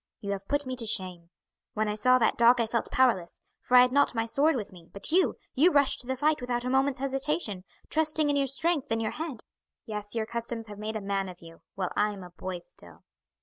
You have put me to shame. When I saw that dog I felt powerless, for I had not my sword with me; but you you rushed to the fight without a moment's hesitation, trusting in your strength and your head. Yes, your customs have made a man of you, while I am a boy still."